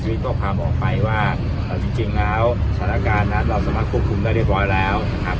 มีข้อความออกไปว่าจริงแล้วสถานการณ์นั้นเราสามารถควบคุมได้เรียบร้อยแล้วนะครับ